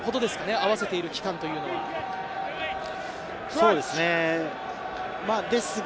合わせている期間とそうですね。